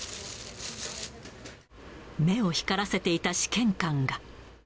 目を光らせていた試験官が。